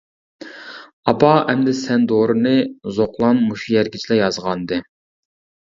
ئاپا، ئەمدى سەن دورىنى. زوقلان مۇشۇ يەرگىچىلا يازغانىدى.